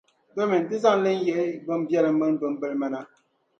Domin ti zaŋ li n-yihi bimbɛlim mini bimbilma na.